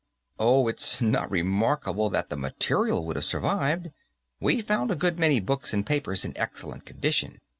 "Oh, it's not remarkable that the material would have survived. We've found a good many books and papers in excellent condition.